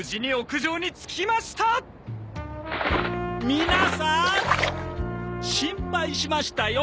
皆さん心配しましたよ。